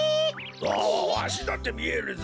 わわしだってみえるぞ。